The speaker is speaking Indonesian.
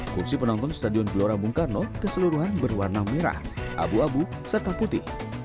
kursi penonton stadion gelora bung karno keseluruhan berwarna merah abu abu serta putih